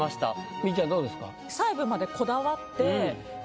みっちゃんどうですか？